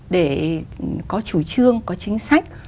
để có chủ trương có chính sách